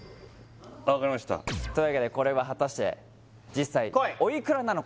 分かりましたというわけでこれは果たして実際おいくらなのか？